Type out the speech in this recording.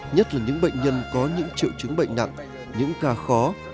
nhất là những bệnh nhân có những triệu chứng bệnh nặng những ca khó